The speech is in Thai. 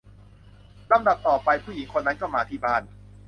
ลำดับต่อไป ผู้หญิงคนนั้นก็มาที่บ้าน